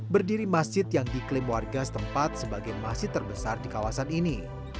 berdiri masjid yang diklaim warga setempat sebagai masjid terbesar di kawasan ini